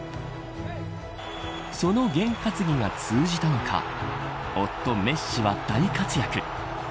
その験担ぎが通じたのか夫メッシは大活躍。